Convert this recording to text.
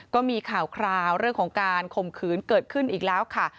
ก็มีข่าวคราวเรื่องของการข่มขืนเกิดขึ้นอีกแล้วค่ะ